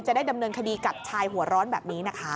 ได้ดำเนินคดีกับชายหัวร้อนแบบนี้นะคะ